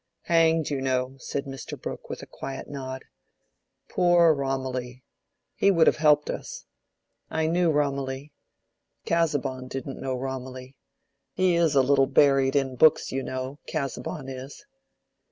"Hanged, you know," said Mr. Brooke, with a quiet nod. "Poor Romilly! he would have helped us. I knew Romilly. Casaubon didn't know Romilly. He is a little buried in books, you know, Casaubon is."